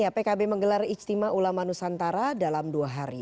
pkb menggelar ijtima ulama nusantara dalam dua hari